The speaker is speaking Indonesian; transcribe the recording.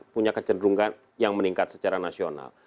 punya kecenderungan yang meningkat secara nasional